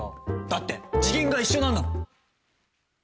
だって次元が一緒なんだもん。